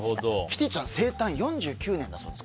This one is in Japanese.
キティちゃん生誕４９年だそうです。